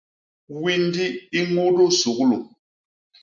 Windi i ñudu suglu.